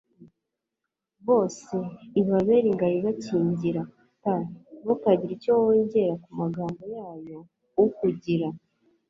bose ibabera ingabo ibakingira t Ntukagire icyo wongera ku magambo yayo u kugira